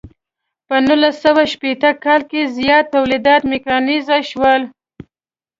په نولس سوه شپیته کال کې زیات تولیدات میکانیزه شول.